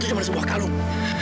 itu cuma sebuah kalung